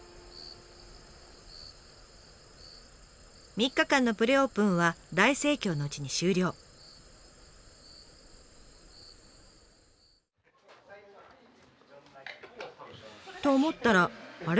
３日間のプレオープンは大盛況のうちに終了。と思ったらあれ？